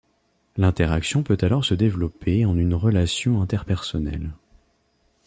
L’interaction peut alors se développer en une relation interpersonnelle.